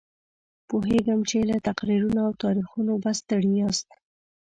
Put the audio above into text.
پوهېږم چې له تقریرونو او تاریخونو به ستړي یاست.